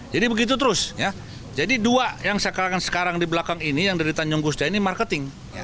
jadi begitu terus jadi dua yang sekarang di belakang ini yang dari tanjung kusta ini marketing